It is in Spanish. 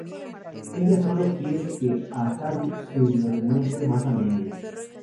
Ella sólo quiere que Ataru se lo demuestre más a menudo.